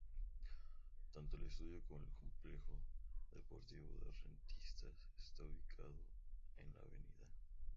Tanto el estadio como el complejo deportivo de Rentistas está ubicado en Av.